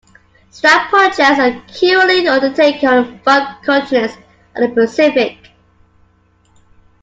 Staff projects are currently undertaken on five continents and in the Pacific.